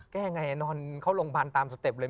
แก้ยังไงนอนเข้าโรงพยาบาลตามสเต็ปเลย